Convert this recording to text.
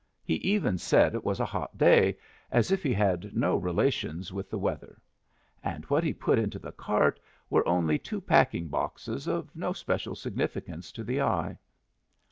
He even said it was a hot day, as if he had no relations with the weather; and what he put into the cart were only two packing boxes of no special significance to the eye.